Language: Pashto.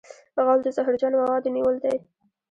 غول د زهرجنو موادو نیول دی.